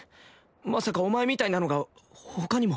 まさかお前みたいなのが他にも？